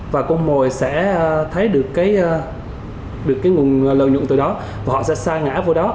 và công mồi sẽ thấy được cái nguồn lợi nhuận từ đó và họ sẽ sa ngã vào đó